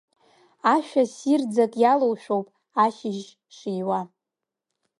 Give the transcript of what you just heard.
Ашәа ссирӡак иалоушәоуп ашьыжь шиуа…